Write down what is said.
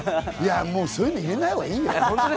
そういうの入れないほうがいいよ。